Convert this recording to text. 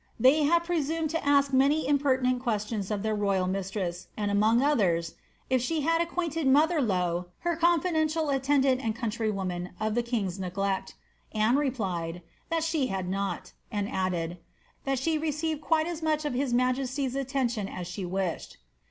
They had presumed to ask many impertinent questions of their royal mistress, and among others, ^ if she had acquainted mother Lowe, her confidential attendant and countrywoman, of the king's neglect." Anne replied, ^ That she had not," and added, ^ That she received quite as much of his majesty's attention as she wished."'